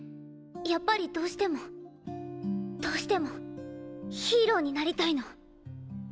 やっぱりどうしてもどうしてもヒーローになりたいの！